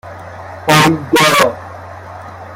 ایدا